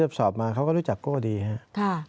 สอบมาเขาก็รู้จักโก้ดีครับ